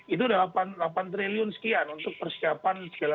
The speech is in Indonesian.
itu adalah delapan triliun sekian untuk persiapan